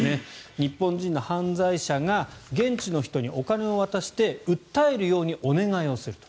日本人の犯罪者が現地の人にお金を渡して訴えるようにお願いをすると。